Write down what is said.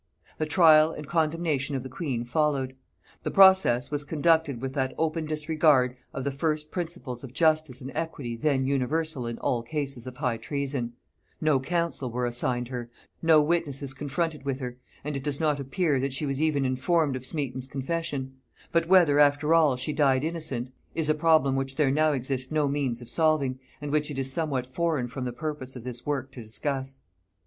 The trial and condemnation of the queen followed. The process was conducted with that open disregard of the first principles of justice and equity then universal in all cases of high treason: no counsel were assigned her, no witnesses confronted with her, and it does not appear that she was even informed of Smeton's confession: but whether, after all, she died innocent, is a problem which there now exist no means of solving, and which it is somewhat foreign from the purpose of this work to discuss.